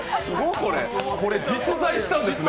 これ、実在したんですね。